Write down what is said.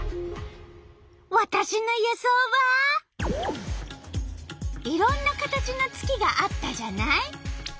わたしの予想はいろんな形の月があったじゃない？